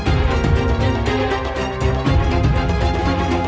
ก็ไม่รู้ว่าเกิดอะไรขึ้นข้างหลัง